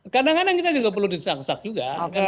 kadang kadang kita juga perlu desak desak juga